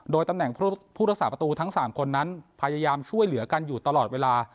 โดยตำแหน่งผู้รักษาประตูทั้ง๓คนนั้นพยายามช่วยเหลือกันอยู่ตลอดเวลา